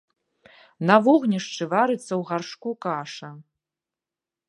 На вогнішчы варыцца ў гаршку каша.